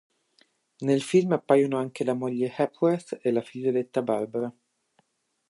Nel film appaiono anche la moglie di Hepworth e la figlioletta Barbara.